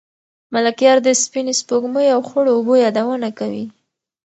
ملکیار د سپینې سپوږمۍ او خړو اوبو یادونه کوي.